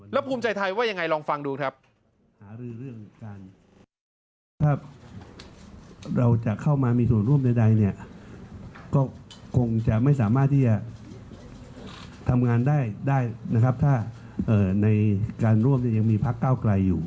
แล้วภูมิใจไทยว่ายังไงลองฟังดูครับ